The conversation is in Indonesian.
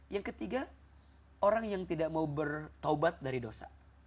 yang ketiga orang yang tidak mau bertaubat dari dosa